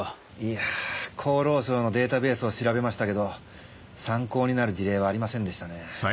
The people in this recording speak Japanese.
いやぁ厚労省のデータベースを調べましたけど参考になる事例はありませんでしたね。